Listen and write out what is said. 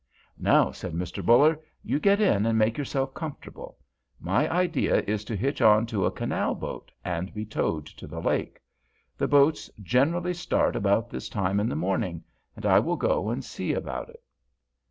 "Now," said Mr. Buller, "you get in and make yourself comfortable. My idea is to hitch on to a canal boat and be towed to the lake. The boats generally start about this time in the morning, and I will go and see about it."